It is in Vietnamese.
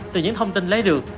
từ những thông tin lấy được